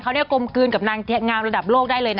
เขาเนี่ยกลมกลืนกับนางงามระดับโลกได้เลยนะ